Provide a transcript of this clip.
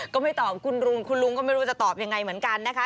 ก็ไม่ตอบคุณลุงคุณลุงก็ไม่รู้จะตอบยังไงเหมือนกันนะคะ